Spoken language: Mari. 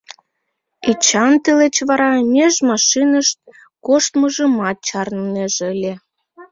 Эчан тылеч вара меж машиныш коштмыжымат чарнынеже ыле.